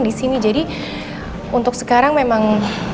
di sini jadi untuk sekarang memang